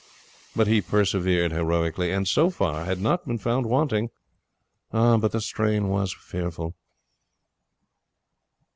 But he persevered heroically, and so far had not been found wanting. But the strain was fearful.